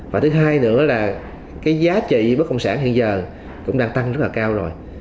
và thứ hai nữa là cái giá trị bất động sản hiện giờ cũng đang tăng rất là cao rồi